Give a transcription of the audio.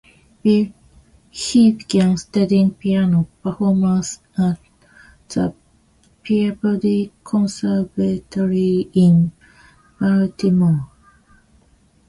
Bill, he began studying piano performance at the Peabody Conservatory in Baltimore.